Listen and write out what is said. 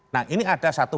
nah ini ada satu